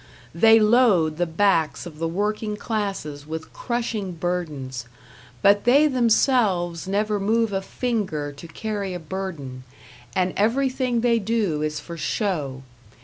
They load the backs of the working classes with crushing burdens, but they themselves never move a finger to carry a burden, and everything they do is for show.